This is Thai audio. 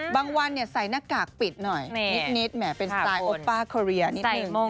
วันใส่หน้ากากปิดหน่อยนิดแหมเป็นสไตลโอป้าโคเรียนิดนึง